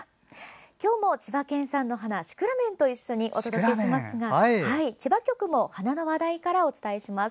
今日も千葉県産の花シクラメンと一緒にお届けしますが、千葉局も花の話題からお伝えします。